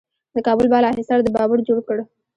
د کابل بالا حصار د بابر جوړ کړ